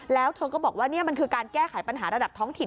แล้วเธอก็บอกว่านี่มันคือการแก้ไขปัญหาระดับท้องถิ่น